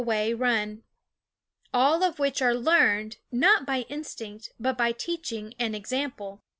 ^ away run, all of which are learned, not by instinct, but by teaching and example.